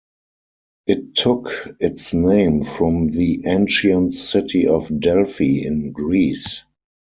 It took its name from the ancient city of Delphi, in Greece.